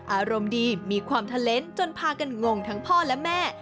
อารมณ์ดีมีความเทลนส์จนพากันงงทั้งพ่อและแม่